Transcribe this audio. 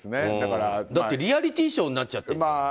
だってリアリティーショーになっちゃってるもん。